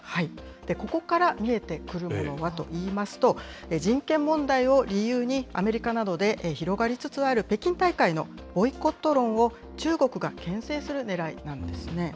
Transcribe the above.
ここから見えてくるものはといいますと、人権問題を理由にアメリカなどで広がりつつある北京大会のボイコット論を、中国がけん制するねらいなんですね。